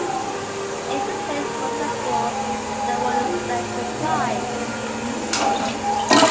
If the players were successful they won a special prize.